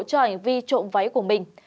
cho ảnh vi trộn váy của mình